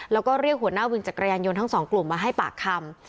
แล้วก็เรียกหัวหน้าวินจักรยานยนต์ทั้งสองกลุ่มมาให้ปากคำ